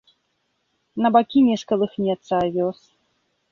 На бакі не скалыхнецца авёс.